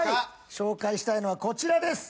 紹介したいのはこちらです。